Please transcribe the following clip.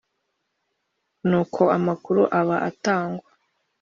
nuko amakuru aba atangwa